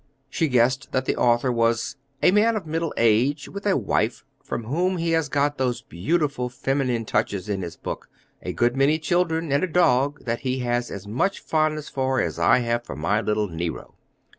She guessed the author was "a man of middle age, with a wife, from whom he has got those beautiful feminine touches in his book, a good many children, and a dog that he has as much fondness for as I have for my little Nero."